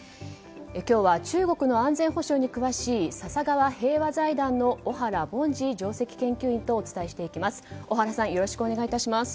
今日は中国の安全保障に詳しい笹川平和財団の小原凡司上席研究員とお伝えしていきます。